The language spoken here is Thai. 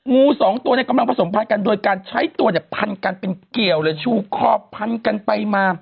งูสองตัวเนี่ยกำลังผสมพันธ์กันโดยการใช้ตัวเนี่ยพันกันเป็นเกี่ยวเลยชูคอบพันกันไปมา